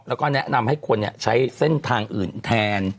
แล้วก็แนะนำให้คนใช้เส้นทางอื่นแทน